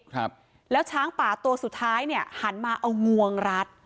ครับแล้วช้างป่าตัวสุดท้ายเนี่ยหันมาเอางวงรัด